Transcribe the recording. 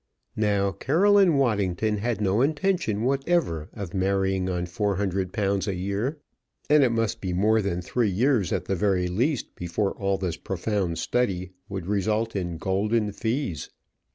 Now Caroline Waddington had no intention whatever of marrying on four hundred pounds a year; and it must be more than three years at the very least before all this profound study would result in golden fees.